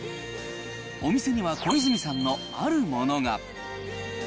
お店には小泉さんのあるものが。